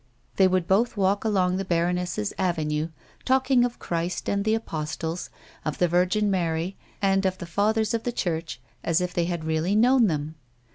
They would both walk along the baroness's avenue talking of Christ and the Apostles, of the Virgin Mary and of the Fathers of the Church as if they had really known them.